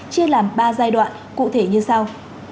chia làm ba giai đoạn cụ thể như sau